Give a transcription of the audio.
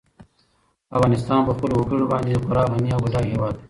افغانستان په خپلو وګړي باندې خورا غني او بډای هېواد دی.